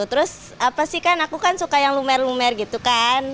terus apa sih kan aku kan suka yang lumer lumer gitu kan